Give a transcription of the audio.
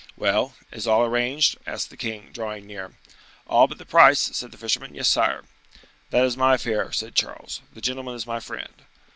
"Well, is all arranged?" asked the king, drawing near. "All but the price," said the fisherman; "yes, sire." "That is my affair," said Charles, "the gentleman is my friend."